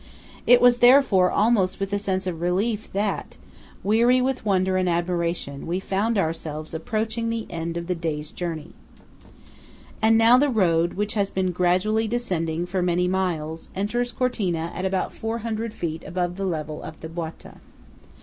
It was therefore almost with a sense of relief that, weary with wonder and admiration, we found ourselves approaching the end of the day's journey. HIGH STREET, CORTINA. And now the road, which has been gradually descending for many miles, enters Cortina at about a hundred feet above the level of the Boita.